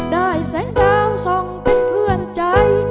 ได้แสงดาวส่องเป็นเพื่อนใจ